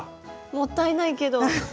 もったいないけど。